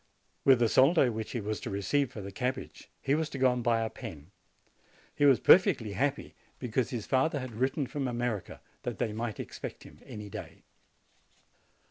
With the soldo which he was to receive for the cabbage he was to go and buy a pen. He was perfectly happy because his 92 JANUARY father had written from America that they might ex pect him any day.